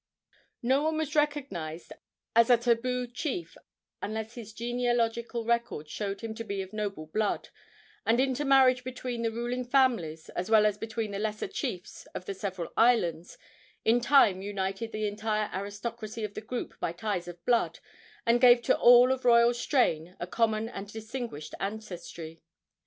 No one was recognized as a tabu chief unless his genealogical record showed him to be of noble blood, and intermarriage between the ruling families, as well as between the lesser chiefs of the several islands, in time united the entire aristocracy of the group by ties of blood, and gave to all of royal strain a common and distinguished ancestry.